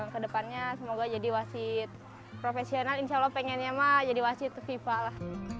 kedepannya semoga jadi wasit profesional insya allah pengennya mah jadi wasit fifa lah